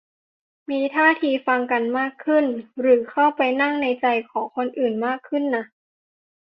มีท่าทีฟังกันมากขึ้น หรือเข้าไปนั่งในใจของคนอื่นมากขึ้นนะ